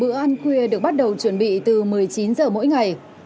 bữa ăn khuya được bắt đầu chuẩn bị từ một mươi chín h mỗi ngày